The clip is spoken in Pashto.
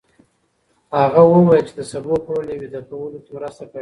هغه وویل چې د سبو خوړل يې ویده کولو کې مرسته کړې.